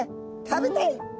食べたい！